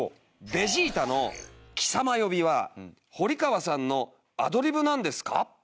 ベジータの「貴様」呼びは堀川さんのアドリブなんですか？